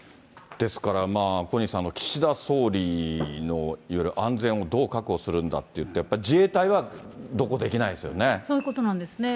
ですからまあ、小西さん、岸田総理のいわゆる安全をどう確保するんだっていって、そういうことなんですね。